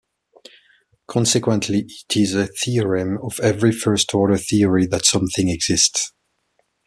Consequently, it is a theorem of every first-order theory that something exists.